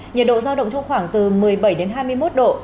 nhiệt độ giao động trong khoảng từ một mươi bảy đến hai mươi một độ